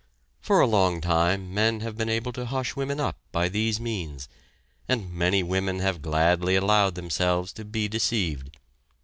For a long time men have been able to hush women up by these means; and many women have gladly allowed themselves to be deceived.